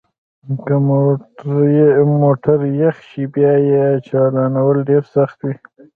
که موټر یخ شي بیا یې چالانول ډیر سخت وي